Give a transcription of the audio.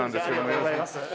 ありがとうございます。